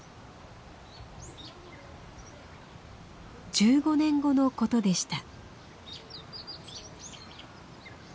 １５年後のことでした。